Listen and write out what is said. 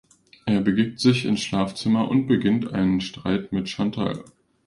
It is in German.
Er begibt sich ins Schlafzimmer und beginnt einen Streit mit Chantal.